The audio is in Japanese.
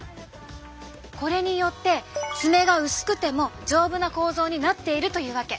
これによって爪が薄くても丈夫な構造になっているというわけ。